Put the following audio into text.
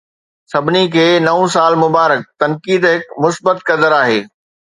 سڀني کي نئون سال مبارڪ! تنقيد هڪ مثبت قدر آهي.